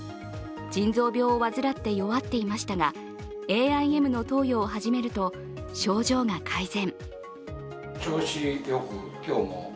腎臓病を患って弱っていましたがＡＩＭの投与を始めると症状が改善。